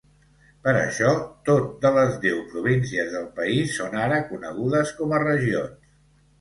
Per això, tot de les deu províncies del país són ara conegudes com a regions.